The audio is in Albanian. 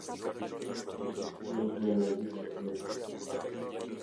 Tregtimi i energjisë elektrike.